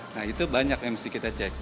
nah itu banyak yang mesti kita cek